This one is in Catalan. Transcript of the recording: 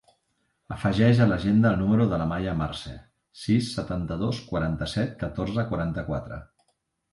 Afegeix a l'agenda el número de l'Amaia Marce: sis, setanta-dos, quaranta-set, catorze, quaranta-quatre.